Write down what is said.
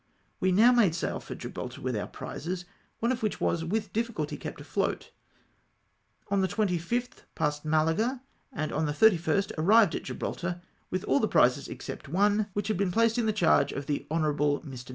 We now made sail for Gibraltar with our prizes, one of which was with difficulty kept afloat. On the 25th passed Malaga, and on the 31st arrived at Gibraltar with all the prizes except one, which had been placed JOSEPH PROCLAIMED KlNd OF SPAIN.